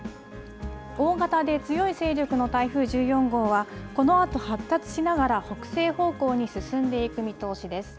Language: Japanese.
大型で強い勢力の台風１４号は、このあと発達しながら北西方向に進んでいく見通しです。